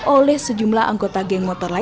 oleh sejumlah anggota geng motor lain